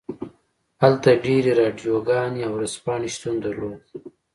هلته ډیرې راډیوګانې او ورځپاڼې شتون درلود